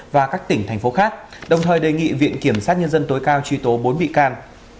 và các tỉnh thành phố khác đồng thời đề nghị viện kiểm sát nhân dân tối cao truy tố bốn bị can